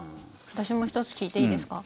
私も１つ聞いていいですか？